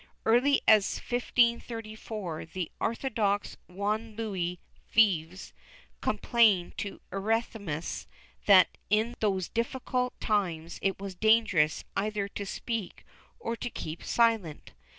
Even as early as 1534, the ortho dox Juan Luis Vives complained to Erasmus that in those difficult times it was dangerous either to speak or to keep silent.